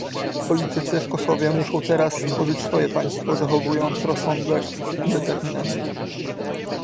Politycy w Kosowie muszą teraz stworzyć swoje państwo, zachowując rozsądek i determinację